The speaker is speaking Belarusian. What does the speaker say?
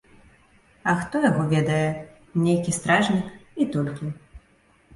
А хто яго ведае, нейкі стражнік, і толькі.